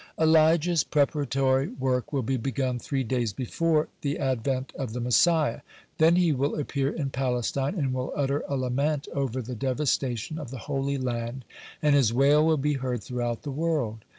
(110) Elijah's preparatory work will be begun three days before the advent of the Messiah. Then he will appear in Palestine, and will utter a lament over the devastation of the Holy Land, and his wail will be heard throughout the world.